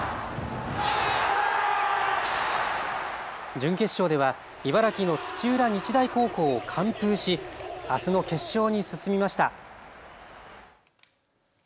準決勝では茨城の土浦日大高校を完封し、あすの決勝に進みました。